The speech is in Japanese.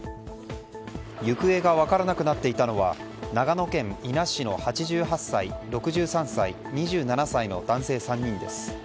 行方が分からなくなっていたのは長野県伊那市の８８歳、６３歳２７歳の男性３人です。